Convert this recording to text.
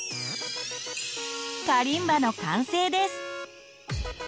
カリンバの完成です。